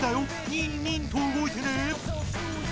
ニンニンと動いてね！